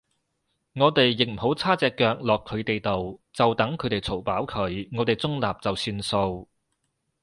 我哋亦唔好叉隻腳落佢哋度，就等佢哋嘈飽佢，我哋中立就算數